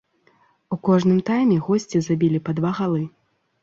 У кожным тайме госці забілі па два галы.